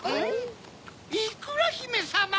・いくらひめさま！